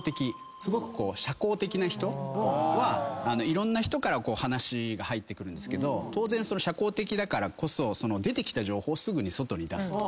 すごく社交的な人はいろんな人から話が入ってくるんですけど当然社交的だからこそ出てきた情報をすぐに外に出すと。